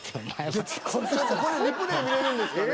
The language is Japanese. ちょっとこれリプレイ見れるんですかね？